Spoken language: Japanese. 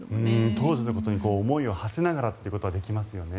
当時のことに思いをはせながらということはできますよね。